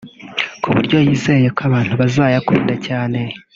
ku buryo yizeye ko abantu bazayakunda cyane